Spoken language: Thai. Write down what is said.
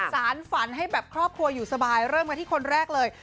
สารฝันให้แบบครอบครัวอยู่สบายเริ่มกันที่คนแรกเลย